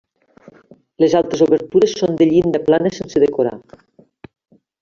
Les altres obertures són de llinda plana sense decorar.